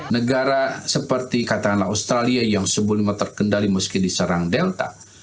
negara seperti katakanlah australia yang sebelumnya terkendali meski diserang delta